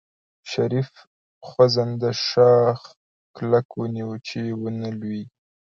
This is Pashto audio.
شريف خوځنده شاخ کلک ونيو چې ونه لوېږي.